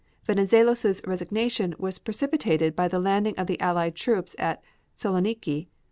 Venizelos' resignation was precipitated by the landing of the Allied troops in Saloniki.